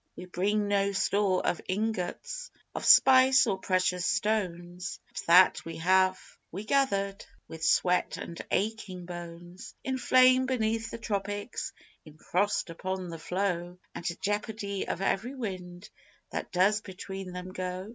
_ We bring no store of ingots, Of spice or precious stones, But that we have we gathered With sweat and aching bones: In flame beneath the tropics, In frost upon the floe, And jeopardy of every wind That does between them go.